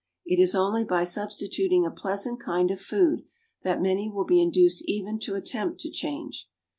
It is only by substituting a pleasant kind of food, that many will be induced even to attempt to change.